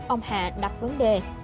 ông hạ đặt vấn đề